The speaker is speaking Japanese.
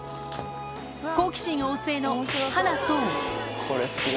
好奇心旺盛のハナと。